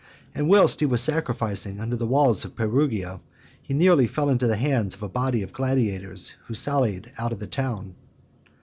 And whilst he was sacrificing under the walls of Perugia, he nearly fell into the hands of a body of gladiators, who sallied out of the town.